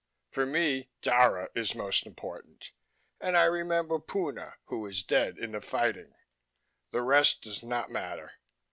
For me Dara is most important, and I remember Puna, who is dead in the fighting: the rest does not matter.